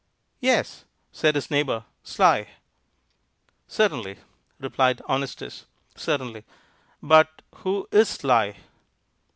"Yes," said his neighbor, "Sly." "Certainly," replied Honestus; "certainly. But who is Sly?"